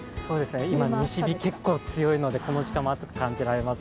今、西日、結構強いのでこの時間も暑く感じます。